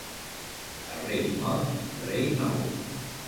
A rei mort, rei nou.